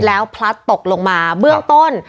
แล้วพลัดตกลงมาเบื้องต้น